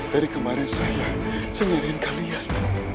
dari kemarin saya saya nyariin kalian